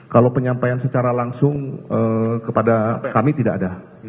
kalau penyampaian secara langsung kepada kami tidak ada